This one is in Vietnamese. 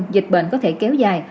dịch bệnh có thể kéo dài